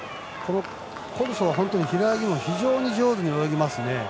コルソは平泳ぎも非常に上手に泳ぎます。